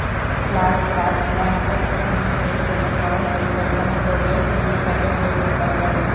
Clerk তার পিতামাতার ইচ্ছানুসারে চলে যাওয়ার পরিকল্পনা করলে টুরিং তাকে বিয়ের প্রস্তাব দেন।